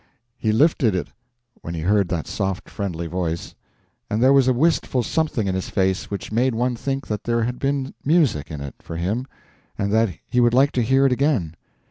He lifted it when he heard that soft friendly voice, and there was a wistful something in his face which made one think that there had been music in it for him and that he would like to hear it again.